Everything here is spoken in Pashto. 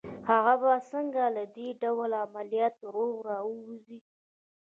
هغه به څنګه له دې ډول عملياته روغ را ووځي